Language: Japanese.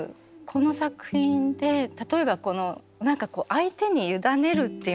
この作品で例えば何かこう相手に委ねるっていうんですかね。